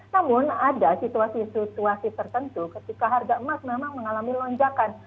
namun ada situasi situasi tertentu ketika harga emas memang mengalami lonjakan